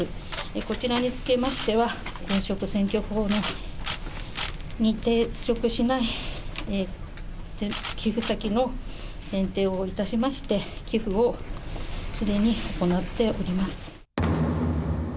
こちらにつきましては、公職選挙法に抵触しない寄付先の選定をいたしまして、寄付をすでに行っております。